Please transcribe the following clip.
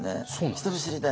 人見知りで。